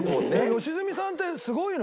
良純さんってすごいの？